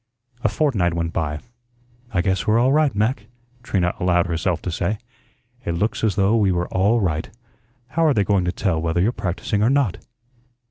A fortnight went by. "I guess we're all right, Mac," Trina allowed herself to say. "It looks as though we were all right. How are they going to tell whether you're practising or not?"